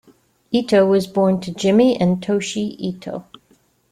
Ito was born to Jimmy and Toshi Ito.